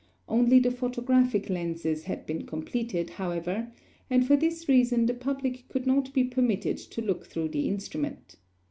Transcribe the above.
Only the photographic lenses had been completed, however, and for this reason the public could not be permitted to look through the instrument.